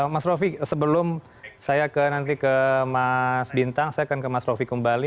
mas rofi sebelum saya nanti ke mas bintang saya akan ke mas rofi kembali